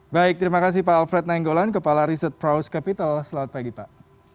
baik terima kasih pak alfred nainggolan kepala riset proust capital selamat pagi pak